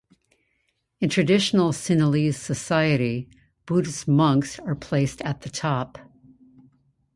In traditional Sinhalese society Buddhist monks are placed at the top.